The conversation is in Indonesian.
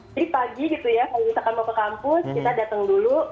pagi gitu ya kalau misalkan mau ke kampus kita datang dulu